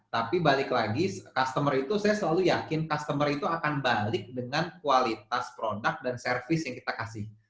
tapi balik lagi customer itu saya selalu yakin customer itu akan balik dengan kualitas produk dan service yang kita kasih